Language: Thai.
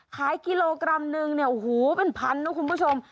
ขายกิโลกรัมนึงเนี่ยโอ้โหเป็นพันนะคุณผู้ชม